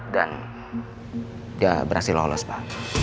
dan dia berhasil lolos pak